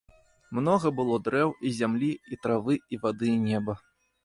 Многа было дрэў, і зямлі, і травы, і вады, і неба.